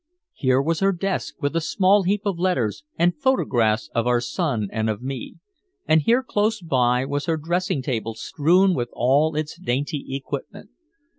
Here was her desk with a small heap of letters and photographs of our son and of me, and here close by was her dressing table strewn with all its dainty equipment.